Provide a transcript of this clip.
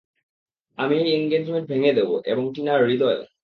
আমি এই এনগেজমেন্ট ভেঙে দেব, এবং টিনার হৃদয়ও।